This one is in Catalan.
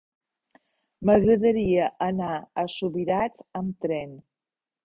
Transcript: M'agradaria anar a Subirats amb tren.